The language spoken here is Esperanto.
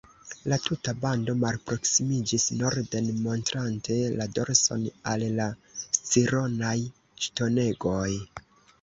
La tuta bando malproksimiĝis norden, montrante la dorson al la Scironaj ŝtonegoj.